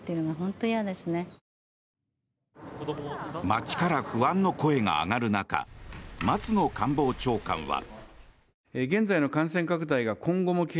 街から不安の声が上がる中松野官房長官は。